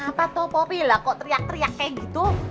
apa tuh popi lah kok teriak teriak kayak gitu